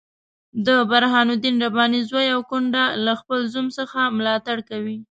د برهان الدین رباني زوی او کونډه له خپل زوم څخه ملاتړ کوي.